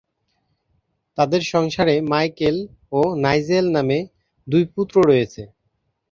তাদের সংসারে ‘মাইকেল’ ও ‘নাইজেল’ নামে দুই পুত্র রয়েছে।